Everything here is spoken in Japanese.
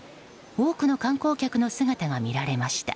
多くの観光客の姿が見られました。